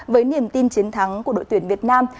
với niềm tin chiến thắng của đội tuyển việt nam